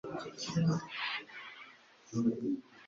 Iryo ni ijwi rya Kristo asaba kwemererwa kwinjira.